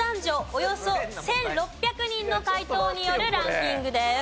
およそ１６００人の回答によるランキングです。